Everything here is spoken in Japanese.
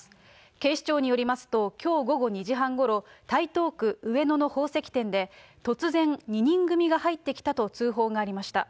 警視庁によりますと、きょう午後２時半ごろ、台東区上野の宝石店で、突然、２人組が入ってきたと通報がありました。